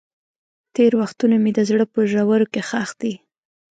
تېر وختونه مې د زړه په ژورو کې ښخ دي.